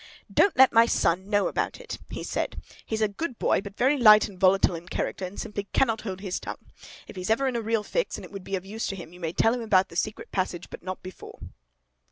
'Don't let my son know about it,' he said. 'He's a good boy, but very light and volatile in character, and simply cannot hold his tongue. If he's ever in a real fix, and it would be of use to him, you may tell him about the secret passage; but not before.